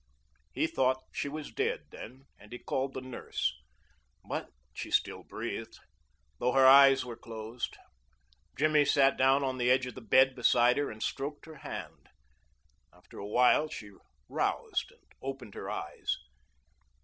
He thought she was dead then and he called the nurse, but she still breathed, though her eyes were closed. Jimmy sat down on the edge of the bed beside her and stroked her hand. After a while she roused again and opened her eyes.